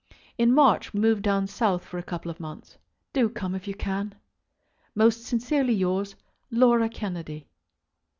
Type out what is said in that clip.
In March we move down south for a couple of months. Do come if you can. Most sincerely yours, LAURA KENNEDY.